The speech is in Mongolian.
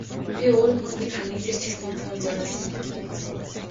Би өрөөнийхөө нэг ханыг тэр чигт нь түүнд зориулсан.